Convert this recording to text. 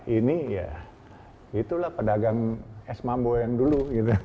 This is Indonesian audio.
ini ya itulah pedagang es mambo yang dulu